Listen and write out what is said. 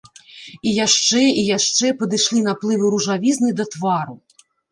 І яшчэ і яшчэ падышлі наплывы ружавізны да твару.